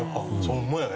ホンマやね。